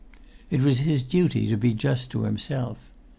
It was his duty to be just to himself.